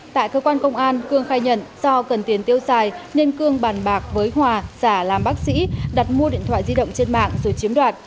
tại cơ quan công an cương khai nhận do cần tiền tiêu xài nên cương bàn bạc với hòa giả làm bác sĩ đặt mua điện thoại di động trên mạng rồi chiếm đoạt